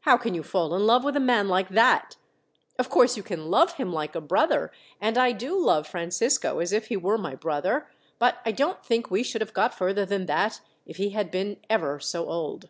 How can you fall in love with a man like that? Of course you can love him like a brother and I do love Francisco as if he were my brother but I don't think we should have got further than that, if he had been ever so old."